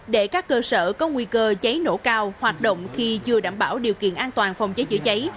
để các cơ sở có nguy cơ cháy nổ cao hoạt động khi chưa đảm bảo điều kiện an toàn phòng cháy chữa cháy